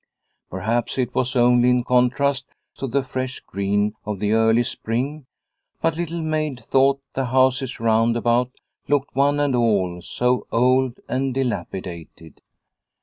Perhaps it was only in contrast to the fresh green of the early spring, but Little Maid thought the houses round about looked one and all so old and dilapidated.